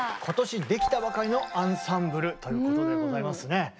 今年できたばかりのアンサンブルということでございますね。